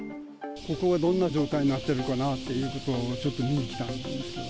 ここがどんな状態になってるかなということを、ちょっと見に来たんですけど。